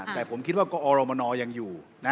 แต่ผมคิดว่ากอรมนยังอยู่